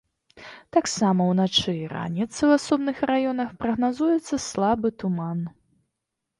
Таксама ўначы і раніцай у асобных раёнах прагназуецца слабы туман.